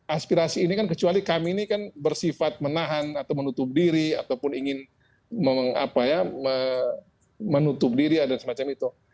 aspirasi ini kan kecuali kami ini kan bersifat menahan atau menutup diri ataupun ingin menutup diri dan semacam itu